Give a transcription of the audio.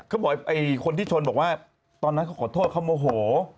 เค้าบอกว่าคนที่ชนตอนนั้นเขาขอโทษก้าวโมโห